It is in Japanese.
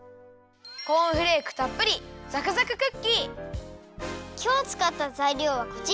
コーンフレークたっぷりきょうつかったざいりょうはこちら！